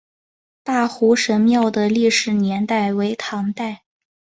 大湖神庙的历史年代为唐代。